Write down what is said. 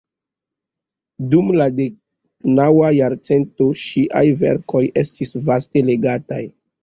Dum la deknaŭa jarcento ŝiaj verkoj estis vaste legataj.